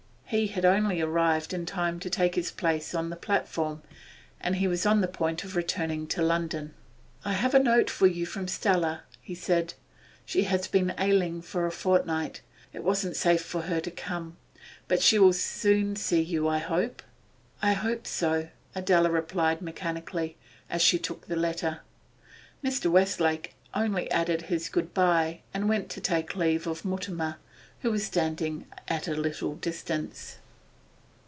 He had only arrived in time to take his place on the platform, and he was on the point of returning to London. I have a note for you from Stella, he said. 'She has been ailing for a fortnight; it wasn't safe for her to come. But she will soon see you, I hope.' 'I hope so,' Adela replied mechanically, as she took the letter. Mr. Westlake only added his 'good bye,' and went to take leave of Mutimer, who was standing at a little distance.